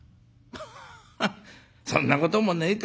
ハッそんなこともねえか。